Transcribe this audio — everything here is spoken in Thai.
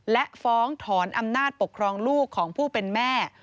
และฟ้องถอนอำนาจปกครองลูกของผู้เป็นแม่